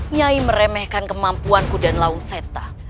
nyair meremehkan kemampuanku dan lawung seta